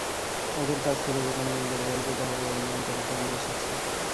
ওদের কাছ থেকে যেকোনো মূল্যে রেহাই পেতে হবে অনুমান করো কেন এসেছি।